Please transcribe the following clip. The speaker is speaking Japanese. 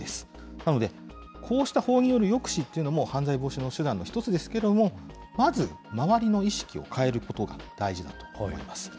なので、こうした法による抑止というのも犯罪防止の手段の一つですけども、まず周りの意識を変えることが大事だと思います。